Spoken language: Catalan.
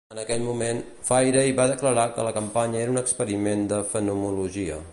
En aquell moment, Fairey va declarar que la campanya era un experiment de fenomenologia.